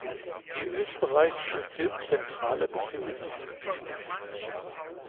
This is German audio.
Die österreichische Firmenzentrale befindet sich in Wien.